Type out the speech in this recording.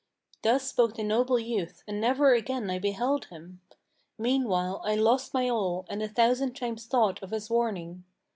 Thus spoke the noble youth, and never again I beheld him. Meanwhile I lost my all, and a thousand times thought of his warning.